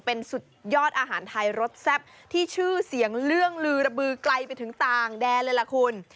เป็นสุดยอดอาหารไทยรสแซ่บที่ชื่อเสียงเรื่องลือระบือไกลไปถึงต่างแดนเลยล่ะคุณ